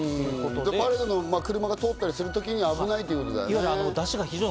パレードの車が通ったりするときに危ないってことだね。